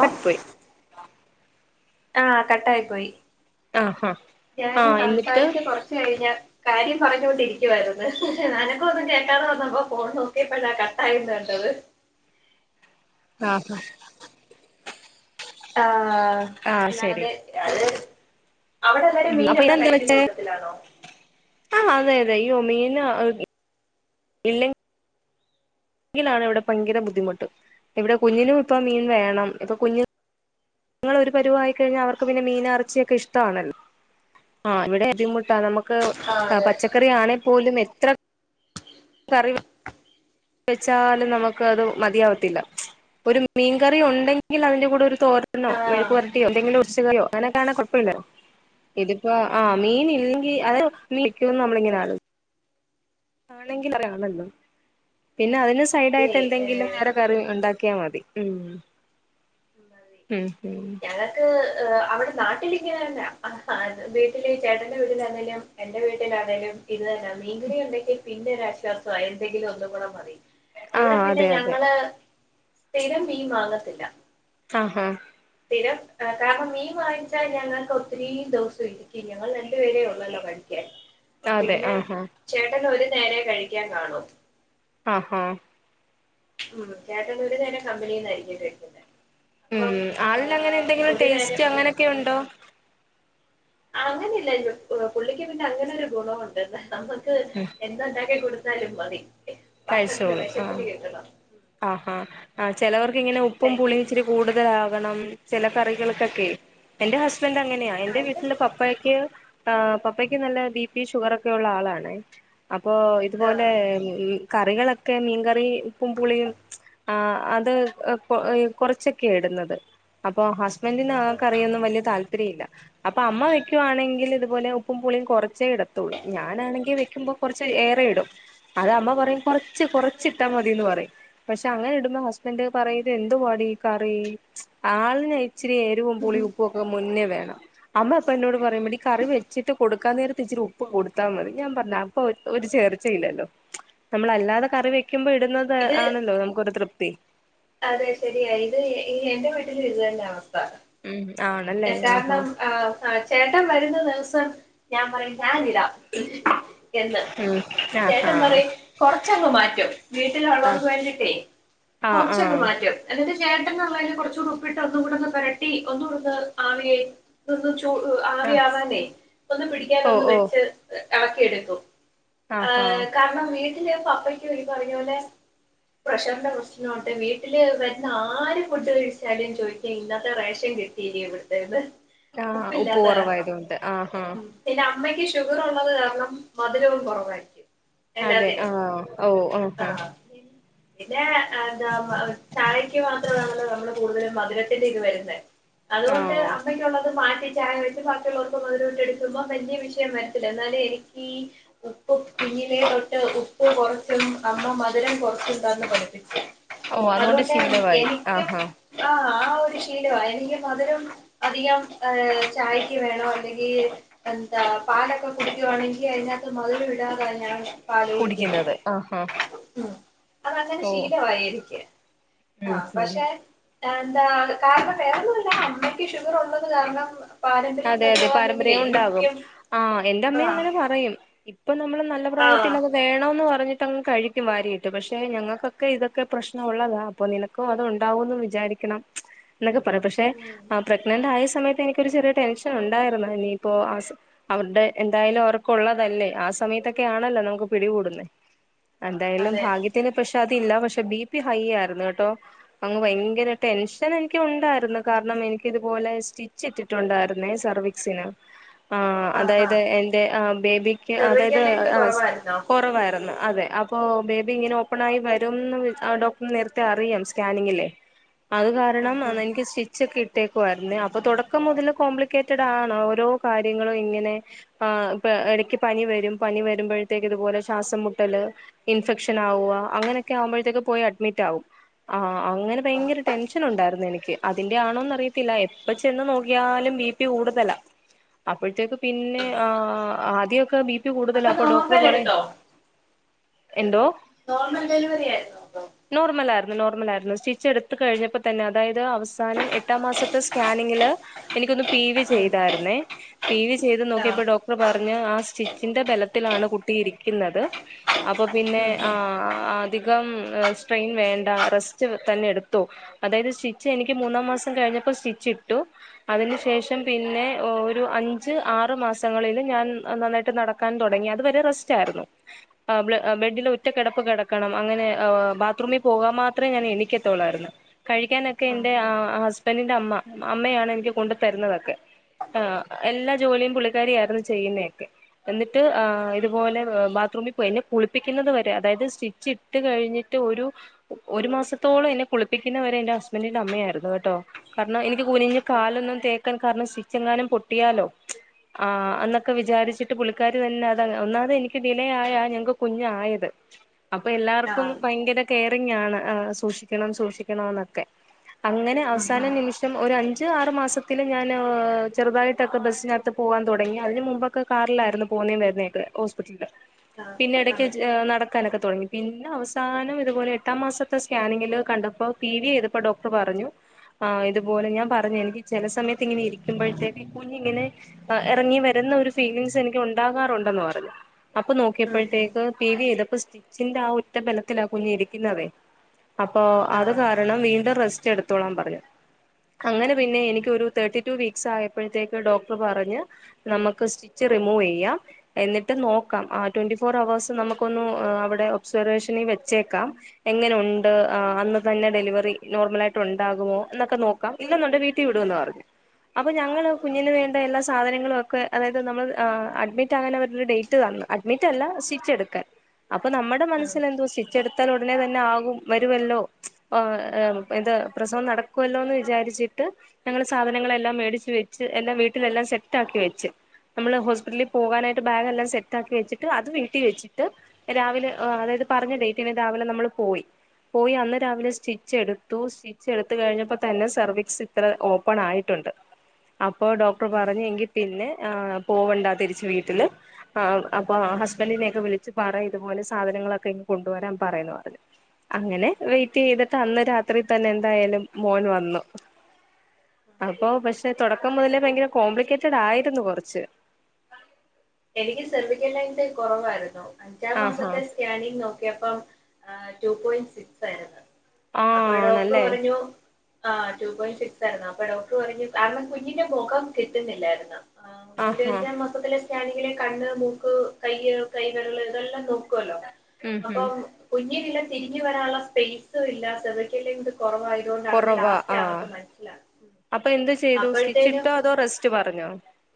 Cut ആയിപ്പോയി ആഹ കട്ടായി പോയി ആഹ് ആഹ് ഞാന് ആഹ് എന്നിട്ട് സംസാരിച്ച് കൊറച്ച് കഴിഞ്ഞ കാര്യം പറഞ്ഞുകൊണ്ടിരിക്കുവായിരുന്നു അനക്കം ഒന്നും കേൾക്കാതെ വന്നപ്പോ ഫോൺ നോക്കിയപ്പോഴാ കട്ട് ആയിന്നു കണ്ടത് അ ആഹ ഹാ ആഹ അതെ അ അവിടെല്ലാരും ഉം അപ്പൊ മീനൊക്കെ കഴിക്കുന്ന കൂട്ടത്തിലാണോ ആഹ അതെ അതെ ഇയ്യോ മീന് ഇല്ലെ എങ്കിലാണ് ഇവിടെ ഭയങ്കര ബുദ്ധിമുട്ട് ഇവിടെ കുഞ്ഞിനും ഇപ്പൊ മീൻ വേണം ഇപ്പൊ കുഞ്ഞിനു ങ്ങളൊരു പരുവായിക്കഴിഞ്ഞാൽ അവർക്ക് പിന്നെ മീൻ ഇറച്ചിയൊക്കെ ഇഷ്ടമാണല്ലോ ആ ഇവിടെ ബുദ്ധിമുട്ടാ നമുക്ക് ആഹ് അതെ പച്ചക്കറി ആണെ പോലും എത്ര കറി വെച്ചാലും നമുക്ക് അത് മതിയാവത്തില്ല ഒരു മീൻകറി ഉണ്ടെങ്കിൽ അതിന്റെ കൂടെ ഒരു തോരനൊ മെഴുക്കു ആഹ് പുരട്ടിയോ എന്തെങ്കിലും ഒഴിച്ച് കറിയോ അങ്ങനെക്കെ ആണെ കുഴപ്പമില്ല ഇതിപ്പോ ആ് മീൻ ഇല്ലെങ്കിൽ എന്ത് വെക്കന്ന് നമ്മളിങ്ങനെ ആലോചിക്കും ആണെങ്കി ആണല്ലോ പിന്നെ അതിന് സൈഡ് അതെ ആയിട്ട് എന്തെങ്കിലും ഏഹ് വേറെ കറി ഉണ്ടാക്ക ിയാ മതി ഉം ഉം ഉം ഞങ്ങക്ക് അവിടെ നാട്ടിലിരിങ്ങന തന്നെ വീട്ടിൽ ചേട്ടന്റെ വീട്ടിലാണെങ്കിലും എന്റെ വീട്ടിലാണേങ്കിലും ഇത് തന്നെ മീൻകറി ഉണ്ടെങ്കിൽ പിന്നെ ഒരാശ്വാസമായി എന്തെങ്കിലും ഒന്നുകൂടെ മതി ആ ഇവിടെ പിന്നെ അതെ അതെ ഞങ്ങള് സ്ഥിരം മീൻ വാങ്ങതില്ല ആഹ ഹഹ രം കാരണം മീൻ വാങ്ങിച്ചാൽ ഞങ്ങൾക്ക് ഒത്തിരി ദിവസം ഇരിക്കും ഞങ്ങൾ രണ്ട് പേരേ ഉള്ളല്ലോ കഴിക്കാൻ അതെ പിന്നെ ആഹാ ചേട്ടൻ ഒരു നേരെ കഴിക്കാൻ കാണു ആഹ ഹഹ ഉം ചേട്ടൻ ഒരു നേരം കമ്പനി നിന്നായിരിക്കും കഴിക്കുന്നത് ഉം അപ്പം ആളിന് അങ്ങനെ എന്തെങ്കിലും ഒരു നേരം ടേസ്റ്റ് അങ്ങനൊക്കെ ഉണ്ടോ അങ്ങനില്ല പുള്ളിക്ക് പിന്നെ അങ്ങനെ ഒരു ഗുണമുണ്ട് നമ്മുക്ക് ഉം എന്തൊണ്ടാക്കി കൊടു ത്താലും മതി കഴിച്ചോളും വിശപ്പിന് ആഹ് കിട്ടണം ആഹാ ആ ചെലവർക്ക് ഇങ്ങനെ ഉപ്പും പുളിയും ഇച്ചിരി കൂടുതലാകണം ചില കറികൾക്കൊക്കെ എന്റെ ഹസ്ബൻറ് അങ്ങനെയാ എൻറെ വീട്ടില പപ്പയ്ക്ക് ആ് പപ്പയ്ക്ക് നല്ല ബി പി ഷുഗർ ഒക്കെ ഉള്ള ആളാണ് അപ്പോ ഇതുപോലെ കറികളൊക്കെ മീൻകറി ഉപ്പും പുളിയും അത് കുറച്ചൊക്കെയാ ഇടുന്നത് അപ്പ ഹസ്ബൻന്റിന് ആ കറിയൊന്നും വലിയ താല്പര്യമില്ല അപ്പൊ അമ്മ വെക്കുവാണെങ്കിൽ ഇതുപോലെ ഉപ്പും പുളിയും കുറച്ചേ ഇടത്തുള്ളൂ ഞാനാണെങ്കിൽ വെക്കുമ്പോ കുറച്ച ഏറെയിടും അത് അമ്മ പറയും കൊറച്ച് കൊറച്ചിട്ടാ മതിന്ന് പറയും പക്ഷെ അങ്ങനെ ഇടുമ്പോ ഹസ്ബൻഡറ് പറയും ഇത് എന്തുവാടി ഈ കറി ആളിന ഇച്ചിരി എരിവും പുളിയും ഉപ്പുമൊക്കെ മുന്നേ വേണം അമ്മ അപ്പൊ എന്നോട് പറയുമ്പോ ഈ കറി വച്ചിട്ട് കൊടുക്കാൻ നേരത്തി ഇച്ചിരി ഉപ്പ് കൊടുത്താൽ മതി ഞാൻ പറഞ്ഞ അപ്പ ഒരു ചേർച്ച ഇല്ലല്ലോ നമ്മൾ അല്ലാതെ കറി വെക്കുമ്പോൾ ഇടുന്ന ഇത് ആണല്ലോ നമുക്കൊരു തൃപ്തി അതെ ശരിയ ഇത് എന്റെ വീട്ടിൽ ഇതു തന്നാ അവസ്ഥ ഉം ആണല്ലേ ആഹാ കാരണം ആ ആ ചേട്ടൻ വരുന്ന ദിവസം ഞാൻ പറയും ഞാനിഡാം എന്ന് ഉം ആഹ് ചേട്ടൻ പറയും ആഹ് കൊറച്ചങ് മാറ്റും വീട്ടിലുള്ളവർക്ക് വേണ്ടിട്ടേ ആഹ് ആഹ് കുറച്ചങ്ങ് ആഹ് മാറ്റും എന്നിട്ട് ചേട്ടനുളൈന് കൊറ്ച്ചൂടി ഉപ്പിട്ട് ഒന്ന് കൂടെന്ന് പെരട്ടി ഒന്നൂടുന്ന് ആളിയെ ആവി ആഹ് ആവാനെ ഒന്ന് പിടിക്കാനൊ ഓ ന്ന് ഓ വെച്ച് എളക്കിയെടുത്തു ആ ആഹ് ആഹ് കാരണം വീട്ടിലെ പപ്പയ്ക്ക് ഈ പറഞ്ഞപോലെ പ്രഷറിന്റെ പ്രശ്നോണ്ട് വീട്ടില് വരുന്ന ആര് ഫുഡ് കഴിച്ചാലും ചോദിക്കും ഇന്നത്തെ റേഷൻ [unintelligible] ആഹ് ഉപ്പ് ഉപ്പില്ലാത്ത കുറവായതുകൊണ്ട് ആഹ് ആഹ് കാരണം അമ്മയ്ക്ക് ഷുഗർള്ളത് കാരണം മധുരവും കുറവായിരിക്കും അതെ എല്ലാത്തിനും ആഹ് ഓ ആഹ് ആഹ പിന്നെ എന്താ ചായക്ക് മാത്രമാണല്ലോ നമ്മള് കൂടുതലും മധുരത്തിന്റെ ഇത് വരുന്നത് അതുകൊണ്ട് ആഹ് അമ്മയ്ക്കുള്ളത് മാറ്റ് ചായ വെച്ച് ബാക്കിയുള്ളോർക്കൊന്നു [unintelligible] ക്ഷണിക്കു മ്പം വല്യ വിഷയം വരത്തില്ല എന്നാലും എനിക്ക് പിങ്ങനെ തൊട്ട് ഉപ്പ് കൊറച്ചും അമ്മ മധുരം കൊറച്ചുംണ്ടാന്ന് പഠിപ്പിച്ചു ഓ അതുകൊണ്ട് ശീലമായി എനിക്കും ആഹ് ആഹ് ആഹ് ആഹ് ഒരു ശീലവാ എനിക്കും മധുരവും അധികം ചായക്ക് വേണോ അല്ലെങ്കിൽ എന്താ പാലൊക്കെ കുടിക്കുവാണെങ്കി അതിനകത്ത് മധം ഇടാതെ തന്നേണ് പാല കുടിക്ക്ണ്ട് കുടിക്കുന്നത് ആഹ് ആഹ് ഉം അതങ്ങനെ ഓ ശീലവായി എനിക്ക് ഉം ഉം ആഹ്പക്ഷെ എന്താ കാര്ണം വേറൊന്ന [unintelligible] ല്ല അമ്മയ്ക്ക് ഷുഗർ ഒള്ളത് കാരണം പാരമ്പര്യം അതെ അതെ വരുവാന്നെങ്കിലേ പാരമ്പര്യം ഉണ്ടാകും എനിക്കും ആഹ് എന്റെ അമ്മയു ആഹ് അങ്ങനെ പറയും ഇപ്പൊ നമ്മള് നല്ല പ്രായം ആഹ് ത്തിത് വേണോന്ന് പറ്ഞ്ഞിട്ട് കഴിക്കും വാരിയായിട്ട് പക്ഷെ ഞങ്ങക്കൊക്കെ ഇതൊക്കെ പ്രശ്നം ഒള്ളതാ അപ്പോൾ നിനക്കും അതു ണ്ടാവ കൊന്ന് വിചാരിക് ക്കെണം എന്നൊക്കെ പറയാം പക്ഷെ ഉം പ്രഗ്നന്റ് ആയ സമയത്ത് എനിക്കൊരു ചെറിയ ടെൻഷൻ ഉണ്ടായിരുന്ന ഇഞ്ഞ്യിപ്പോ [unintelligible] അവര്ടെ എന്തായാലും അവർക്കൊള്ളതല്ലേ ആ സമയത്തൊക്കെയ നല്ല നമുക്ക് പിടികൂടുന്നെ എന്തായാലും അതെ ഭാഗ്യത്തിന് പക്ഷെ അത് ത്തില്ല പക്ഷെ ബി പി ഹൈ ആരുന്നു കെട്ടോ അങ് ഭയങ്കര ടെൻഷൻ എനിക്ക് ഉണ്ടായിരുന്നു കാരണം എ എനിക്കിതുപോലെ സ്റ്റിച്ച് ഇട്ടിട്ടുണ്ടായിരുന്നേ സർവിക്സിന് ആഹ് അതായത് എന്റെ ആ ബേബിക്ക് സെർവിക്കൽ അതായത് ലെങ്ത് ആഹ് കുറവായിരുന്നോ കൊറവായിര്ന്നു അതെ അപ്പോ ബേബി ഇങ്ങനെ ഓപ്പൺ ആയി വരുംന്ന് [unintelligible] ഡോക്ടർ നേര്ത്തെ അറിയും സ്കാനിങ്ങില്ലേ അത് ഉം കാരണം ഉം എനിക്ക് സ്റ്റിച്ചക്കെ ഇട്ടേക്കുമായിരുന്നേ അപ്പൊ തൊടക്കം മുതൽ കോംപ്ലിക്കേറ്റഡ് ആണ് ഓരോ കാര്യങ്ങളും ഇങ്ങനെ അഹ് ഇടക്ക് പനി വരും പനി വരുമ്പഴ ത്തേക്കു ഇതു പോലെ ശ്വാസം മുട്ടല് ഇൻഫെക്ഷൻ ആവ അങ്ങനൊക്കെ ആവുമ്പോഴത്തേക്ക് പോയി അഡ്മിറ്റ് ആകും ആഹ് അങ്ങനെ ആഹ് ഭെയ്ങ്കര ടെൻഷന് ഉണ്ടായിരുന്നു എനിക്ക് അതിന്റെ ആണോന്ന് അറിയത്തില്ല എപ്പ ചെന്ന് നോക്കിയാലും ബ പി കൂടുതല അപ്പോഴത്തേക്ക് പിന്നെ ആദ്യൊക്കെ ബി പി കൂടുതലാ അപ്പൊ ഡോക്ടർ നോർമൽ പറയും എടുത്തോ എന്തോ നോർമൽ ഡെലിവറി ആയിരുന്നോ അപ്പൊ നോർമല ആര്ന്നു നോർമൽ ആയിരുന്നു സ്റ്റിച്ച് എടുത്ത് കഴിഞ്ഞപ്പ തന്നെ അതായത് അവസാനം എട്ടാം മാസത്തെ സ്കാനിങ്ങില് എനിക്കൊന്ന് പി വി ഉം ചെയ്തായ്ര്ന്നേ പി വി ചെയ്ത് ആഹ് നോക്കിയേപ്പോ ഡോക്ടർ പറ ഞ്ഞു ആ സ്റ്റിച്ചിന്റെ ബലത്തിലാണ് കുട്ടി ഇരിക്ക്ന്നത് അപ്പ പിന്നെ ഉം ആഹ് അധികം സ്ട്രെയിൻ വേണ്ട റെസ്റ്റ് തന്നെ എടുത്തൊ അതായത് സ്റ്റിച്ച് എനിക്ക് മൂന്നാം മാസം കഴി അപ്പോ സ്റ്റിച്ച ഇട്ടു അതിന് ശേഷം പിന്നെ ഒരു അഞ്ച് ആറ് മാസങ്ങളിലും ഞാൻ നന്നായിട്ട് നടക്കാൻ തൊടങ്ങി അത് പക്ഷെ റസ്റ്റ്‌ ആര്ന്നു ആ ബ്ല ബെഡിൽ ഒറ്റ കെടപ്പ് കെടക്കണം അങ്ങനെ ഹ് ബാത്‌റൂമി പോവാൻ അപ്പ മാത്രേ ഞാൻ എണിക്ക ത്തൊള്ളായിര്ന്ന് കഴിക്കാനൊക്കെ ഉം എന്റെ ഉം ഹസ്ബൻഡ്ന്റെ അമ്മ അമ്മയാണ് എനിക്ക് കൊണ്ടു തരുന്നതൊക്കെ ആഹ് എല്ലാ ഉം ജോലിയും പുള്ളിക്കാരി ആയിര്ന്ന് ചെയ്യുന്നൊയെക്കെ എന്നിട്ട് ആഹ് ഇതുപോലൊ ബാ ത്രുമിപ്പോയി എന്നെ കുളിപ്പിക്കുന്നത് വരെ അതായത് സ്റ്റിച്ച് ഇട്ട് കഴിഞ്ഞിട്ട് ഒരു ഒരു മാസത്തോളം എന്നെ കുളിപ്പിക്കുന്നവരെ എന്റെ ഹസ്ബൻറിന്റെ അമ്മയായ്ര്ന്നു കേട്ടോ കാര്ണം എനിക്ക് കുനിഞ്ഞു അപ്പൊ കാൽ എക്ക [unintelligible] കാര്ണം സ്റ്റിച്ചെങ്ങാനം പൊട്ടിയാലോ ആഹ് ഉം എന്നൊക്കെ വിചാരിചിട്ട് പുള്ളിക്കാരി തന്നെ അത ഒന്നാതേ എനിക്ക് ഡിലേ ആയാ ഞങ്ങക്ക് കുഞ്ഞ് ആയത് അപ്പൊ എല്ലാർക്കും ആഹ് ഭയങ്കര കെയറിംഗാണ് അഹ് സൂക്ഷിക്കണം സൂക്ഷിക്കണംന്നൊക്കെ അങ്ങനെ ഉം അവസാന ഉം നിമിഷം ഒരു അഞ്ച് ആ മാസത്തിലും ഞാൻ ചെറുതായിട്ടൊക്കെ ബസിനകത്ത് പോവാൻ തുടങ്ങി അതിന് മുമ്പൊക്കെ കാറിലായിരുന്നു പോകുന്നേം വരുന്നേം പിന്നെ എക്ക് ഹോസ്പിറ്റ്ല് ലാ ആഹ് പിന്നെ എടക്ക് ആഹ് നടക്കാനൊക്കെ തൊടങ്ങി പിന്നെ അവസാനം ഇതുപോലെ എട്ടാം മാസത്തെ സ്കാനിങ്ങില് കണ്ടപ്പോ പി വി ചെയ്തപ്പോ ഡോക്ടർ പറഞ്ഞു ആഹ് ഇതുപോലെ ഞാ പറഞ്ഞു എനിക്ക് ചെല സമയത്ത് ഇങ്ങനെ ഇരിക്കുമ്പഴത്തേക്ക് ഈ കുഞ്ഞി ങ്ങനെ എറങ്ങി വെരുന്ന ഒരു ഫീലിംഗസ് എനിക്ക് ഉണ്ടാകാറുണ് ഉണ്ടന്ന് പറഞ്ഞു അപ്പൊ ഉം ഉം നോക്കിയപ്പോഴത്തേക്ക് പി വി ചെയ്തപ്പ സ്റ്റിച്ചിന്റെ ആഹ് ഒറ്റ ബെലത്തിലാ കുഞ്ഞി ഇരിക്കുന്നതെ അപ്പൊ അത് ആഹ് കാരണം വീണ്ടും റെസ്റ്റ് എടുത്തോളാൻ പറഞ്ഞു. അങ്ങനെ പിന്നെ എനി എനിക്കൊരു തെർട്ടിറ്റു വീക്സ് ആയപ്പയത്തേക്ക് ഡോക്ടർ പറഞ്ഞു നമ്മക്ക് സ്റ്റിച് റിമൂവ് ചെയ്യാം. ഏ എന്നിട്ട് നോക്കാം ആ ട്വന്റി ഫോർ അവേഴ്സ് നമുക്കൊന്ന് അവിടെ ഒബ്സർവേഷനിൽ വെച്ചേക്കാം എങ്ങനെ ഉണ്ട് അന്ന് തന്നെ ഡെലിവറി നോർമൽ ആയിട്ട് ഉണ്ടാകുമോ എന്നൊക്കെ നോക്കാം ഇല്ലന്നുണ്ടേ വീട്ടീ വി ടുവെന്ന് പറഞ്ഞ് അപ്പൊ ഞങ്ങള് കുഞ്ഞിന് വേണ്ട എല്ലാ സാധനങ്ങളും ഒക്കെ അതായത് നമ്മൾ അ അഡ്മിറ്റ് ആകാൻ അവരൊരു ഡേറ്റ് തന്ന അഡ്മിറ്റ് അല്ല സ്റ്റിച് എടുക്കൽ അപ്പൊ നമ്മുടെ ഉം മനസ്സിൽ എന്തോ സ്റ്റിച് എ ത്താൽ ഉടനെ തന്നെ ആകും, വരുവല്ലോ, ആ ഇത് പ്രസവം നടക്കുവല്ലോ എന്ന് വിചാരിച്ചിട്ട് ഞങ്ങള് സാധനങ്ങളെല്ലാം മേടിച് വെച്ച് എല്ലാം വീട്ടിലെല്ലാം സെറ്റ് ആക്കി വെച്ച് നമ്മള് ഹോസ്പിറ്റ് ലിൽ പോകാനായിട്ട് ബാഗെല്ലാം സെറ്റാക്കി വെച്ചിട്ട് അത് വീട്ടിൽ വെച്ചിട്ട് രാവിലെ എ അതായത് പറഞ്ഞ ഡേറ്റിന് രാവിലെ നമ്മള് പോയി പോയി അന്ന് രാവിലെ സ്റ്റിച്ച് എടുത്തു. സ്റ്റിച്ച് എടുത്ത് കഴിഞ്ഞപ്പോ തന്നെ സെർവിക്സ് ഇത്ര ഓപ്പൺ ആയിട്ടുണ്ട് അപ്പൊ ഉം ഡോക്ടർ പറഞ്ഞ് എങ്കിൽ പിന്നെ ആ പോവണ്ട തിരിച്ചു വീട്ടില് അ അപ്പൊ ആ ഹസ്ബൻഡിനെയൊക്കെ വിളിച്ച് പറ ഇതുപോലെ സാധനങ്ങളൊക്കെ ഇങ് കൊണ്ടുവരാൻ പറയെന്ന് പറഞ്ഞു. അങ്ങനെ വെയ്റ്റ് ചെയ്തിട്ട് അന്ന് രാത്- ത്രി തന്നെ എന്തായാലും മോന് വന്നു. അപ്പൊ പക്ഷെ തുടക്കം മുതലേ ഭയങ്കര കോംപ്ലിക്കേറ്റഡ് ആയിരുന്നു കൊറച്ച് എനിക്ക് സെർവിക്കലി [unintelligible] കുറവായിരുന്നു അഞ്ചാം ആഹാ മാസത്തെ സ്കാനിങ് നോക്കിയപ്പം ടു പോയിന്റ് സിക്സ് ആയിരുന്നു ആഹ് അപ്പൊ ഡോക്ടർ ആണല്ലേ പറഞ്ഞു ആ ടു പോയിന്റ് സിക്സ് ആയിരുന്നു. അപ്പൊ ഡോക്ടർ പറഞ്ഞു കാരണം കുഞ്ഞിന്റെ മൊകം കിട്ടുന്നില്ലാരുന്നു. ആ ആഹാ [unintelligible] മൊത്തത്തിലെ സ്കാനിങ്ങിലെ കണ്ണ്, മൂക്ക്, കയ്യ്, കൈവെര്ല് ഇതെല്ലാം നോ- ക്കുവല്ലോ. ഉം ഉം അപ്പം കുഞ്ഞിനില്ല തിരിഞ്ഞ് വരാനുള്ള സ്പെയിസ് ല്ല. [unintelligible] ലെങ്ത് കൊറവായതുകൊണ്ട് അന്ന് കുറവാ ലാസ്റ്റ് ആഹ് അവർക്ക് മനസിലാ അപ്പൊ എന്ത് ചെയ്തു സ്റ്റിച്ച് അപ്പോഴത്തേനും ഇട്ടോ അതോ റെസ്റ്റ് പറഞ്ഞോ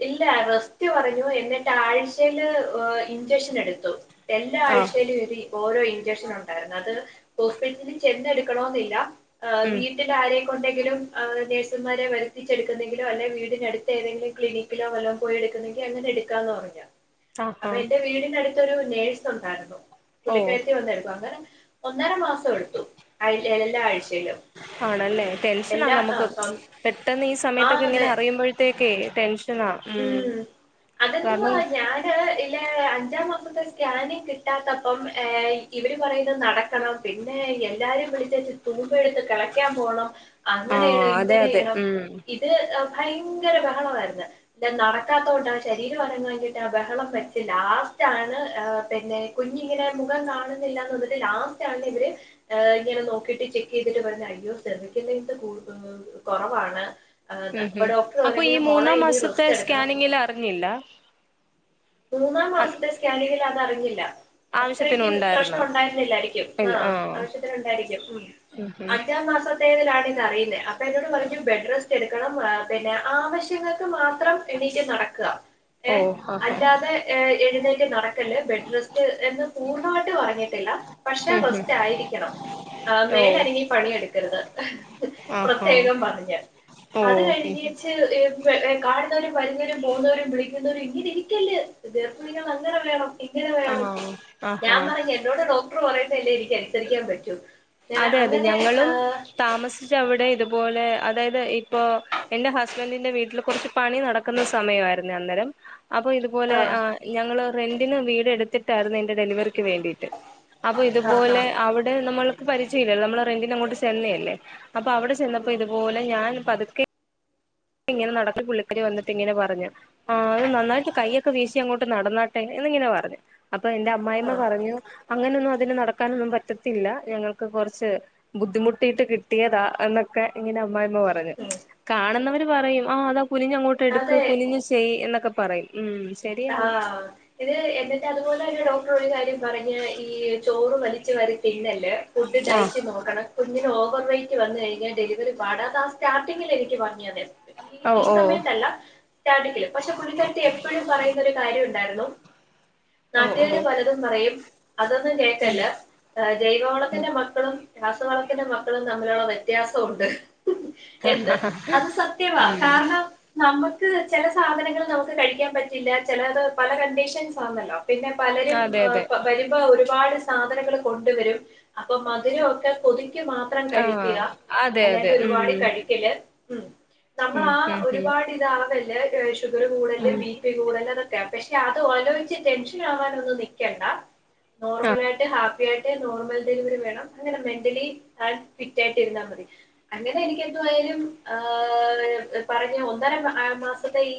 ഇല്ല റസ്റ്റ്‌ പറഞ്ഞു [unintelligible] എന്നിട്ട് ആഴിചേൽ ഏ ഇൻചക്ഷൻ എടുത്തു. എല്ലാ ആഹ് ആഴ്ചേലും രി ഓരോ ഇഞ്ച ഇൻജെക്ഷൻ ഉണ്ടായിർന്നു അത് ഹോസ്പിറ്റലിൽ ചെന്നെടുക്കണോന്നില്ല ഉം വീട്ടിലാരേ കൊണ്ടെങ്കിലും നഴ്സുമാരെ വരുത്തിച്ചടുക്കുന്നെങ്കിലോ അല്ലെ വീടിനടുത്തേതെങ്കിലും ക്ലിനിക്കിലോ വല്ലോ പോയി എടു അങ്ങനെ എടുക്കാന്ന് പറഞ്ഞു. ആഹാ അപ്പൊ എന്റെ വീടിന്റടുത്തൊരു നേഴ്സ് ഉണ്ടായിരുന്നു. ഓഹ് പുള്ളിക്കാരത്തി വന്നെടുക്കും അന്നേരം ഒന്നര മാസം എടുത്തു അ എല്ലാ ആഴ്ചയിലും ആണല്ലേ ടെൻഷനാ എല്ലാ ആ നമ്മക്ക് പെട്ടെന്ന് ഈ ആ സമയത്തൊക്കെ ഇങ്ങനെ അതെ അറിയുമ്പോഴത്തേക്കേ ടെൻഷനാ ഉം അതെന്തുവാ കാരണം ഞാന് ഇല്ല അഞ്ചാം മാസത്തെ സ്കാനിങ് കിട്ടാത്തപ്പം ഏഹ് ഇവർ പറയുന്നത് നടക്കണം പിന്നെ എല്ലാരും വിളിച്ചേച് തൂമ്പ എടുത്ത് കിളക്കാൻ പോണം ആഹ് അങ്ങനെയ്യണം അതെ അതെ ഇങ്ങനെയ്യണം ഉം ഇത് ഭയങ്കര ബഹളമായിരുന്നു ഞാൻ നടക്കാത്തൊണ്ട ശരീരം അനങ്ങാഞ്ഞിട്ട ബഹളം വച്ച് ലാസ്റ്റ് ആണ് പിന്നെ കുഞ്ഞിങ്ങനെ മുഖം കാണുന്നി- ല്ല ലാസ്റ്റ് ആണ് ഇവര് ഏ ഇങ്ങനെ നോക്കിട്ട് ചെക്ക് ചെയ്തിട്ട് പറഞ്ഞു അയ്യോ [unintelligible] കൂടു കൊറവാണ്. ഉം അപ്പൊ ഉം ഡോക്ടർ അപ്പൊ പറഞ്ഞു ഈ മോളെ മൂന്നാം ഇനി മാസത്തെ റെസ്റ്റ് എടുക്കണം. സ്കാനിങ്ങിൽ അറിഞ്ഞില്ല മൂന്നാം മാസത്തെ സ്കാനിങ്ങിൽ അതറിഞ്ഞില്ല. ആവശ്യത്തിന് അത്രക്ക് പ്രശ്നം ഉണ്ടായിരുന്നോ ഉണ്ടായിരുന്നില്ലായിരിക്കും ആഹ് ആവശ്യത്തിന് ഉണ്ടായിരിക്കും ഉം അഞ്ചാം മാസ -ത്തെലാണ് ഇത് അറിയുന്നേ അപ്പൊ എന്നോട് പറഞ്ഞു ബെഡ് റെസ്റ്റ് എടുക്കണം പിന്നെ ആവശ്യങ്ങൾക്ക് മാ ത്രം എണീറ്റ് നടക്ക ഏ ഓ ആഹ് അല്ലാതെ എഴുന്നേറ്റ് നടക്കല്ലേ ബെഡ് റെസ്റ്റ് എന്ന് പൂർണ്ണമായിട്ട് പറഞ്ഞിട്ടില്ല പക്ഷെ ആഹ് ഉം ഉം റസ്റ്റ്‌ ആയിരിക്കണം. ആ ഓ മേലനങ്ങി പണിയെടുക്കരുത് ആഹാ പ്രത്യേകം പറഞ്ഞ് ഓ അത് കഴിഞ്ഞേച്ച് ഏ [unintelligible] കാണുന്നവരും വരുന്നവരും പോകുന്നവരും വിളിക്കുന്നവരും ഇങ്ങനെ ഇരിക്കല്ലേ. ഗർഭിണികൾ അങ്ങനെ വേണം, ഇങ്ങനെ വേണം, ആഹ് ഞാൻ ആഹാ പറഞ്ഞ എന്നോട് ഡോ കടർ പറവയുന്നല്ലേ, എനിക്ക് അനുസരിക്കാൻ പറ്റു. അതെ, അതെ ഞങ്ങളും താമസിച്ചവിടെ ഇതുപോലെ അതായത് ഇപ്പൊ എന്റെ ഹസ്ബൻറിന്റെ വീട്ടിൽ കുറച്ച് പണി നടക്കുന്ന സമയമായിരുന്നു അന്നേരം അപ്പൊ ഇതുപോലെ ആ ആഹ് ഞങ്ങള്ൾ റെന്റിന് വീട് എടുത്തിട്ടായിരുന്നു എന്റെ ഡെലിവറി വേണ്ടിട്ട് അപ്പൊ ആഹ് ഇതുപോലെ ആഹ് അവിടെ നമ്മൾ പരിചയല്ലല്ലോ, നമ്മൾ റെന്റിന് അങ്ങോട്ട് ചെന്നേല്ലേ, അപ്പൊ അവിടെ ചെന്നപ്പോ ഉം ഇതുപല ഞാൻ പതുക്കെ ഇങ്ങനെ നടക്കേ, പുള്ളിക്കാരി വന്നിട്ട് ഇങ്ങനെ പറഞ്ഞു ആ അത് നന്നായിട്ട് കയ്യൊക്കെ വീശി അങ്ങോട്ട് നടന്നാട്ടെ. എന്നിങ്ങനെ പറഞ്ഞു, അപ്പൊ എന്റെ അമ്മായിമ്മ ആഹ് പറഞ്ഞു അങ്ങനൊന്നും അതിന് നടക്കാനൊന്നും പറ്റത്തില്ല, ഞങ്ങൾക്ക് കുറച്ച് ബുദ്ധിമുട്ടിട്ട് കിട്ടിയതാ എന്ന ക്കെ, ഇങ്ങനെ അമ്മായിമ്മ പറഞ്ഞു, ഉം കാണുന്നവര് പറയും ആ അതാ കുനിഞ്ഞങ്ങോട്ട് എടുക്ക്, അതെ കുനിഞ്ഞഞ് ചെയ്യ് എന്നൊക്കെ പറയും, ഉം ആ, ശരിയാണ് ഇത് എന്നിട്ട് അതുപോലെ തന്നെ ഡോക്ടർ ഒരു കാര്യം പറഞ്ഞ ഈ ചോറ് വലിച്ചു വാരി തിന്നല്ലേ, ഫുഡ് ഡയറ്റ് ആ നോക്കണം, കുഞ്ഞിന് ഓവർ വെയറ്റ് വന്ന് കഴിഞ്ഞാ ഡെലിവറി പാടാ, അതാ സ്റ്റാർട്ടിങ്ങിൽ എനിക്ക് പറഞ്ഞ അതെ. ഈ, ഈ ഓ ഓ സമയത്തല്ല സ്റ്റാർട്ടിങ്ങിൽ, പക്ഷെ പുള്ളിക്കാര തി എപ്പോഴും പറയു [unintelligible] ണ്ടായിരുന്നു, ഓ നാട്ടുകാര് ഓ പലതും പറയും. അതൊന്നും ഉം കേൾക്കല്ല, ജൈവവളത്തിന്റെ മക്കളും രാസവളത്തിന്റെ മക്കളും, തമ്മിലുള്ള വ്യത്യാസമുണ്ട് എന്ത്, അത് സത്യവാ, ഉം കാരണം നമുക്ക് ക്ക്, ചില സാധനങ്ങൾ നമുക്ക് കഴിക്കാൻ പറ്റില്ല, ചിലത് പല കണ്ടീഷൻസ് ആണല്ലോ. പിന്നെ പലരും അതെ അതെ വരുമ്പോ ഒരു ഒരുപാട് സാധനങ്ങൾ കൊണ്ടുവരും, അപ്പം മധുരം ഒക്കെ കൊതി ക്ക്, മാത്രം ആ കഴിക്കുക അതെ അതെ അല്ലാണ്ട് ഒരുപാട് ഉം കഴിക്കല ഉം, നമ്മൾ ഉം ആ ഉം ഉം ഒരുപാട് ഇതാവല്ലേ, ഷുഗർ കൂടുല്ലേ ഉം ബീ കതൊക്കെ, പക്ഷെ അത്ആലോചിച്ച് ടെൻഷൻ ആവാനൊന്നും നിക്കണ്ട, ആ നോർമലായിട്ട് നോർൽ ഡെലിവറി വേണം അങ്ങനെ മെന്റലി ഹെൽത്ത്‌ ഫിറ്റ് ആയിട്ട് ഇരുന്നാൽ മതി, അങ്ങനെ എനിക്കന്തോ ന്തായാലും പറഞ്ഞ ഒന്നോ രണ്ടോ മാസത്തെ ഈ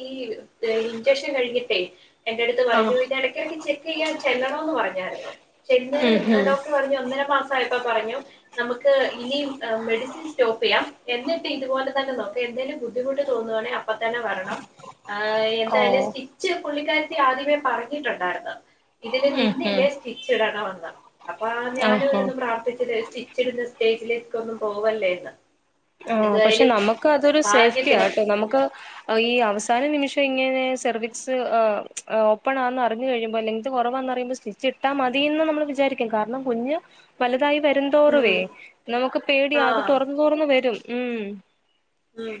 ശേഷം കഴിഞ്ഞിട്ടേ എന്റെ അടുത്ത് ആ പറഞ്ഞു,, ഇത് ഇടക്കിടയ്ക്ക് ചെക്ക് ചെയ്യാൻ ചെല്ലണന്ന് പറഞ്ഞായിരുന്നു. പിന്നെ, ഉം ഉം ഡോക്ടർ പറഞ്ഞു ഒന്നര മാസം പോയപ്പോപറഞ്ഞു, നമുക്ക് ഇനി മെഡിസിൻ സ്റ്റോപ്പ് ചെയ്യാം, എന്നിട്ട് ഇതുപോലെ തന്നെ നോക്ക എന്തേലും ബുദ്ധിമുട്ട് തോന്നുവായാണെങ്കി അപ്പതന്നെ വരണം ഇതായല് ഓ സ്റ്റിച്ച് പുള്ളിക്കാരത്തി ആദ്യമേ പറഞ്ഞിട്ടുണ്ടായിരുന്നു, ഇതില് ഉം ഉം നിന്നില്ലേ സ്റ്റിച്ച് ടാന, പറഞ്ഞെ, അപ്പ ആഹാ ഞാനൊരുന്ന് പ്രാർത്ഥിച്ചിട്ട് സ്റ്റി ച്ചിടുന്ന സ്റ്റേജിലേക്ക ഒന്നും പോവല്ലേന്ന്. ആഹ പക്ഷെ നമുക്ക് അതൊരു സേഫ്റ്റി ഭാഗ്യത്തിന് ആട്ടൊ, നമുക്ക് ഈ അവസാന നിമിഷം ഇങ്ങനെ സെർവീസ്, എ ഓപ്പൺ ആണന്ന് അറിഞ്ഞു കഴിയ്പോ, ലെങ്ത് കുറവാന്ന് അറിയുമ്പോ സ്റ്റിച്ച് ഇട്ടാൽ മതി. ന്ന് നമ്മ വിചാരിക്കും, കാരണം കുഞ് വലു ഇതായി വരന്തോറുവേ ഉം നമുക്ക് പേടിയ, ആ അത് തുറന്ന് തുറന്ന് വരും. ഉം ഉം